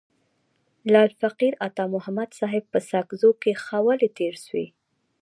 لعل فقیر عطا محمد صاحب په ساکزو کي ښه ولي تیر سوی.